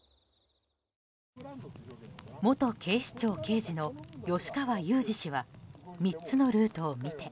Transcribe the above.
元警視庁刑事の吉川祐二氏は３つのルートを見て。